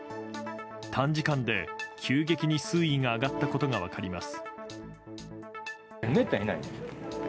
短時間で急激に水位が上がったことが分かります。